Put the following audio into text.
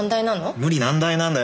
無理難題なんだよ